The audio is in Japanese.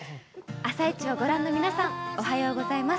「あさイチ」をご覧の皆さんおはようございます。